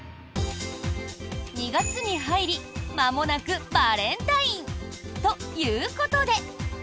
２月に入りまもなくバレンタイン！ということで。